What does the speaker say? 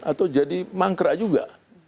atau jadi mangkrak juga